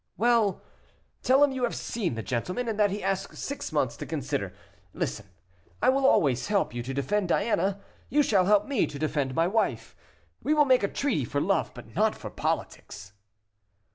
"Well! tell him you have seen the gentleman, and that he asks six months to consider. Listen, I will always help you to defend Diana, you shall help me to defend my wife. We will make a treaty for love, but not for politics."